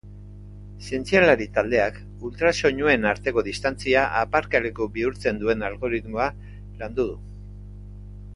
Zientzialari taldeak ultrasoinuen arteko distantzia aparkaleku bihurtzen duen algoritmoa prestatu du.